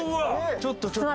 ちょっとちょっと。